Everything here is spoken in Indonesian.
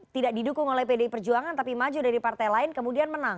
tidak didukung oleh pdi perjuangan tapi maju dari partai lain kemudian menang